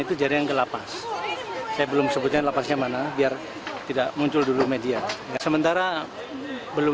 itu jaringan gelapas saya belum sebutin lapasnya mana biar tidak muncul dulu media sementara belum